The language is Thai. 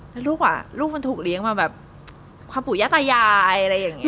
แล้วลูกอ่ะลูกมันถูกเลี้ยงมาแบบความปู่ย่าตายายอะไรอย่างนี้